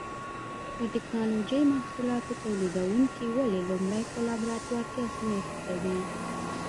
د ټېکنالوجۍ محصولاتو تولیدوونکي ولې لومړی په لابراتوار کې ازمېښت کوي؟